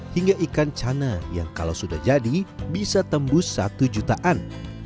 hingga ikan cana yang kalau sudah jadi bisa tembus satu jutaan